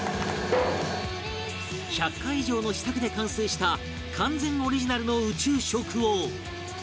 １００回以上の試作で完成した完全オリジナルの宇宙食を